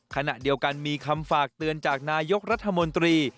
ขณะเดียวกันมีคำฝากเตือนจากนายกรัฐมนตรี